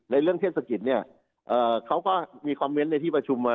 เรื่องเทศกิจเนี่ยเขาก็มีคอมเมนต์ในที่ประชุมมา